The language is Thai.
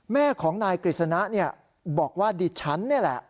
แม่ของนายกฤษณะเนี่ยบอกว่าดิฉันนี่แหละ